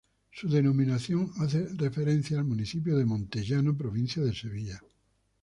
Su denominación hace referencia al municipio de Montellano, provincia de Sevilla.